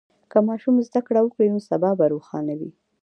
که ماشوم زده کړه وکړي، نو سبا به روښانه وي.